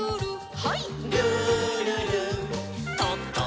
はい。